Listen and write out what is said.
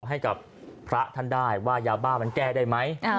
ให้กับพระท่านได้ว่ายาบ้ามันแก้ได้ไหม